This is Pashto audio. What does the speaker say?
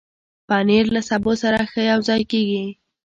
پنېر له سبو سره ښه یوځای کېږي.